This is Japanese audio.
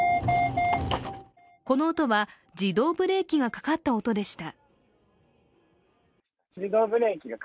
この音は自動ブレーキがかかった音でした。